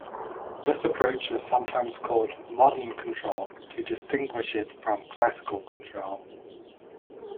This approach is sometimes called "modern control" to distinguish it from "classical control".